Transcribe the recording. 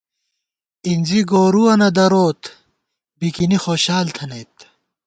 اِنزی گورُوَنہ دروت، بِکِنی خوشال تھنَئیت